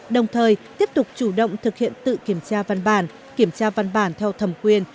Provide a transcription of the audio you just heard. đồng thời tiếp tục chủ động thực hiện tự kiểm tra văn bản kiểm tra văn bản theo thẩm quyền